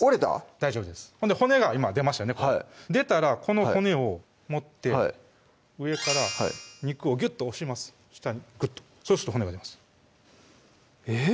大丈夫です骨が今出ましたね出たらこの骨を持って上から肉をギュッと押します下にグッとそうすると骨が出ますえぇ？